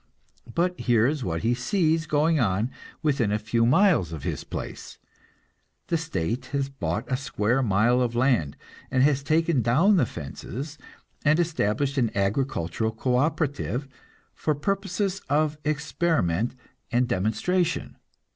But here is what he sees going on within a few miles of his place: The state has bought a square mile of land, and has taken down the fences and established an agricultural co operative for purposes of experiment and demonstration.